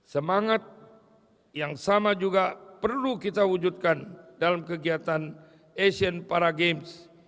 semangat yang sama juga perlu kita wujudkan dalam kegiatan asian para games